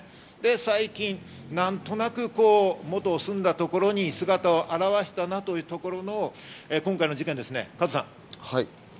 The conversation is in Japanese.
最近、何となく元住んだところに姿を現したなというところの今回の事件です。